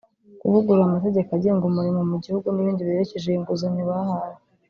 kuvugurura amategeko agenga umurimo mu gihugu n’ibindi biherekeje iyi nguzanyo bahawe